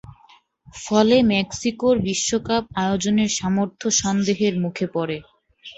ফলে মেক্সিকোর বিশ্বকাপ আয়োজনের সামর্থ্য সন্দেহের মুখে পড়ে।